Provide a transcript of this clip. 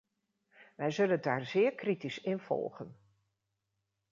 Wij zullen daar zeer kritisch in volgen.